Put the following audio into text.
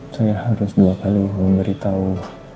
saya harus dua kali memberitahu